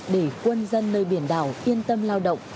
để quân dân nơi biển đảo yên tâm lao động